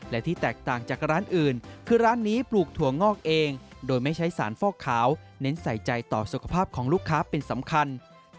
และที่แตกต่างจากร้านอื่นคือร้านนี้ปลูกถั่วงอกเองโดยไม่ใช้สารฟอกขาวเน้นใส่ใจต่อสุขภาพของลูกค้าเป็นสำคัญ